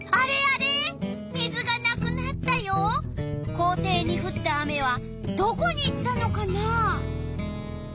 校庭にふった雨はどこに行ったのかな？